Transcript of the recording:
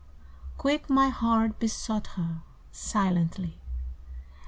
Quick my heart besought her, Silently.